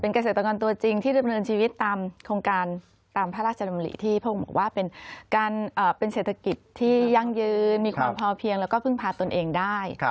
เกษตรกรตัวจริงที่ดำเนินชีวิตตามโครงการตามพระราชดำริที่พระองค์บอกว่าเป็นเศรษฐกิจที่ยั่งยืนมีความพอเพียงแล้วก็พึ่งพาตนเองได้